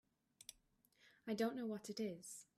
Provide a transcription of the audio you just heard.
I don't know what it is.